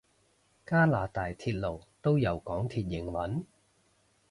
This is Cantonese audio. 加拿大鐵路都由港鐵營運？